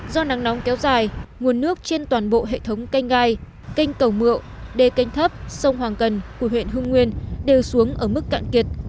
do nắng nóng kéo dài nguồn nước trên toàn bộ hệ thống canh gai canh cầu mượu đề canh thấp sông hoàng cần của huyện hương nguyên đều xuống ở mức cạn kiệt